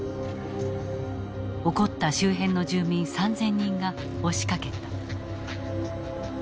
怒った周辺の住民３，０００人が押しかけた。